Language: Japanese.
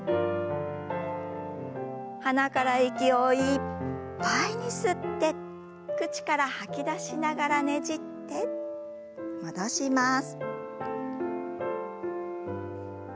鼻から息をいっぱいに吸って口から吐き出しながらねじって戻します。